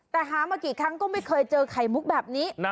แต่หามากี่ครั้งก็ไม่เคยเจอไข่มุกแบบนี้